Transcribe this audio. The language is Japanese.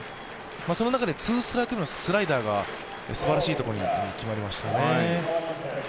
その中でツーストライク目のスライダーがすばらしいところに決まりましたね。